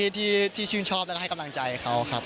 ที่ชื่นชอบแล้วก็ให้กำลังใจเขาครับ